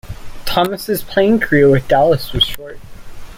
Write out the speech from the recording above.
Thomas's playing career with Dallas was short.